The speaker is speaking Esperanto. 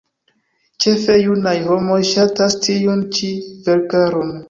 Ĉefe junaj homoj ŝatas tiun ĉi verkaron.